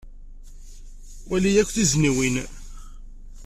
Wali akk tuzniwin.